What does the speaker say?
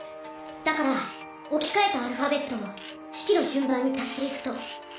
だから置き換えたアルファベットを式の順番に足していくと。